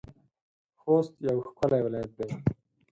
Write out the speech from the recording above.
خوست يو ښکلی ولايت دی.